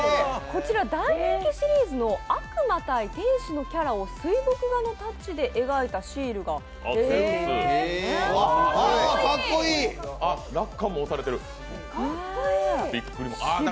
こちら、大人気シリーズの悪魔対天使を水墨画のタッチで描いたシールが入ってるんです。